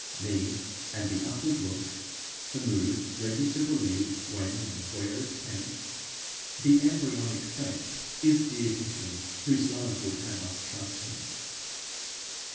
Need and the upward look, the mood ready to believe when and where it can, the embryonic faith, is dear to Him whose love would have us trust him.